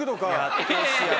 やってほしい。